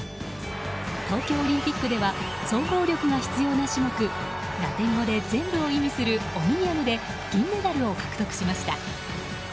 東京オリンピックでは総合力が必要な種目ラテン語で全部を意味するオムニアムで銀メダルを獲得しました。